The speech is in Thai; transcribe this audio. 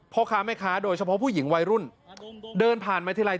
พ่อคะแม่คะโดยเฉพาะผู้หญิงวัยรุ่นเดินผ่านแม่ทิลาย